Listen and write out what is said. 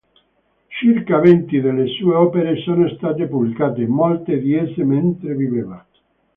Circa venti delle sue opere sono state pubblicate, molte di esse mentre viveva.